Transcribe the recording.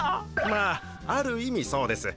まあある意味そうです。